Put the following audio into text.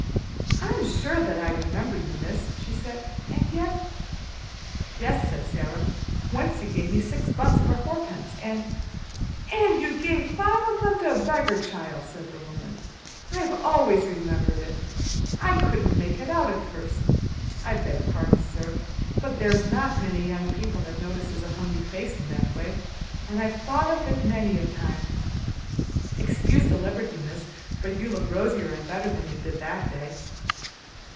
"I'm that sure I remember you, miss," she said. "And yet " "Yes," said Sara, "once you gave me six buns for fourpence, and " "And you gave five of 'em to a beggar child," said the woman. "I've always remembered it. I couldn't make it out at first. I beg pardon, sir, but there's not many young people that notices a hungry face in that way, and I've thought of it many a time. Excuse the liberty, miss, but you look rosier and better than you did that day."